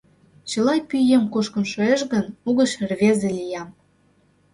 Чыла пӱем кушкын шуэш гын, угыч рвезе лиям.